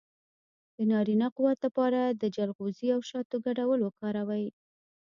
د نارینه قوت لپاره د چلغوزي او شاتو ګډول وکاروئ